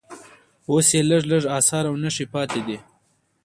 اوس یې لږ لږ اثار او نښې پاتې دي.